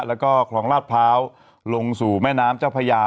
แล้วก็คลองลาดพร้าวลงสู่แม่น้ำเจ้าพญา